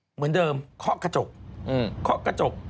เหมือนเดิมข้อกระจกข้อกระจก